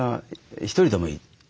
２人でもいい。